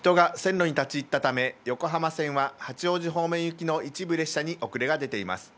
人が線路に立ち入ったため、横浜線は八王子方面行きの一部列車に遅れが出ています。